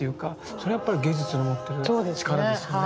それはやっぱり芸術の持ってる力ですよね。